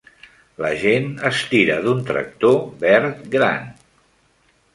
La gent estira d'un tractor verd gran.